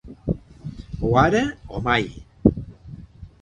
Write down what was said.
O ara, o mai.